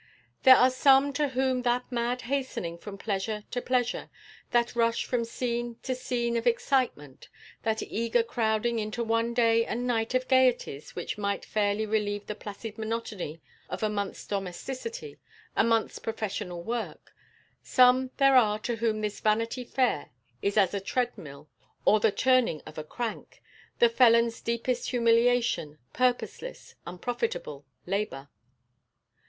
There are some to whom that mad hastening from pleasure to pleasure, that rush from scene to scene of excitement, that eager crowding into one day and night of gaieties which might fairly relieve the placid monotony of a month's domesticity, a month's professional work some there are to whom this Vanity Fair is as a treadmill or the turning of a crank, the felon's deepest humiliation, purposeless, unprofitable, labour.